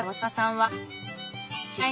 はい。